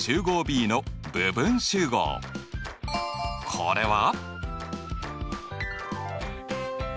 これは？